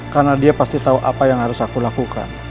karena dia pasti tau apa yang harus aku lakukan